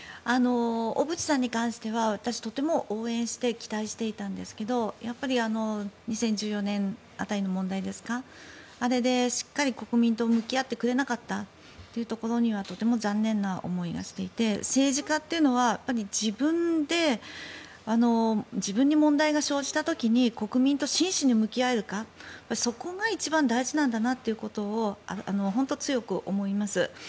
小渕さんに関しては私とても応援して期待していたんですけどやっぱり２０１４年辺りの問題ですかあれでしっかり国民と向き合ってくれなかったというところにはとても残念な思いがしていて政治家というのは自分で自分に問題が生じた時に国民と真摯に向き合えるかそこが一番大事なんだなということを本当に強く思います。